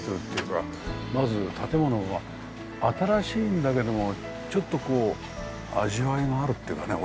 まず建物は新しいんだけどもちょっとこう味わいがあるっていうかね